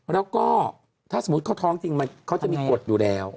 แล้วก็ถ้าสมมุติเขาท้องจริงเขาจะมีกฎอยู่แล้ว